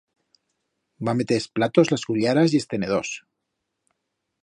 Va meter es platos, las cullaras y es tenedors.